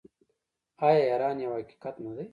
آیا ایران یو حقیقت نه دی؟